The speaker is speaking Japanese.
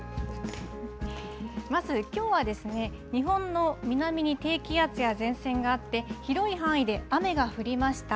まず、きょうは日本の南に低気圧や前線があって、広い範囲で雨が降りました。